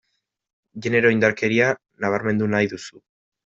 Genero indarkeria nabarmendu nahi duzu.